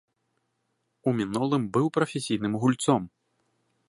У мінулым быў прафесійным гульцом.